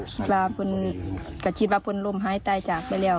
คิดว่าพวกนี้คิดว่าพวกนี้ล้มหายตายจากไปแล้ว